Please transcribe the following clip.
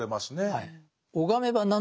はい。